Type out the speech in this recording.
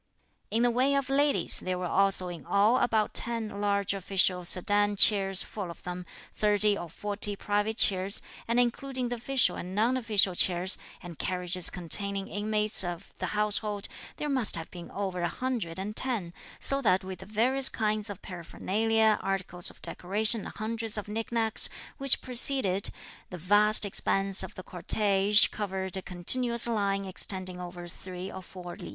In the way of ladies, there were also in all about ten large official sedan chairs full of them, thirty or forty private chairs, and including the official and non official chairs, and carriages containing inmates of the household, there must have been over a hundred and ten; so that with the various kinds of paraphernalia, articles of decoration and hundreds of nick nacks, which preceded, the vast expanse of the cortege covered a continuous line extending over three or four li.